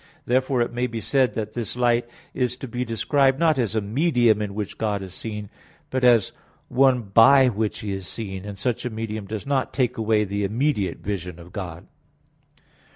Therefore it may be said that this light is to be described not as a medium in which God is seen, but as one by which He is seen; and such a medium does not take away the immediate vision of God.